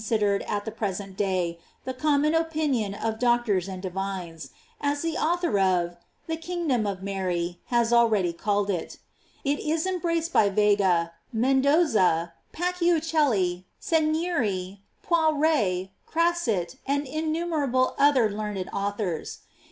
Ifrl sidered at the present day the common opinion of doctors and divines, as the author of "The king dom of Mary" has already called it It is embrac ed by Vega, Mendoza, Paciucchelli, Segneri,. Poire, Crasset, and innumerable other learnedrau thors.